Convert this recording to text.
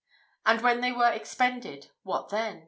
And when they were expended, what then?